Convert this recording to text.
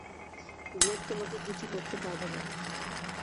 Blade তোমাকে কিছু করতে পারবে না।